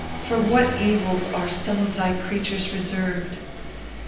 For what evils are some of thy creatures reserved!